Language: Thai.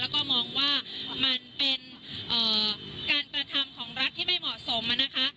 แล้วก็มองว่ามันเป็นการกระทำของรัฐที่ไม่เหมาะสมนะคะ